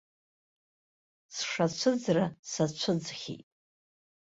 Сшацәыӡра сацәыӡхьеит.